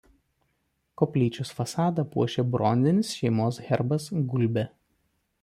Koplyčios fasadą puošė bronzinis šeimos herbas „Gulbė“.